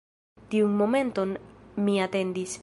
Tiun momenton mi atendis.